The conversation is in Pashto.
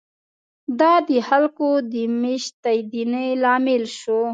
دا د خلکو د مېشتېدنې لامل شو.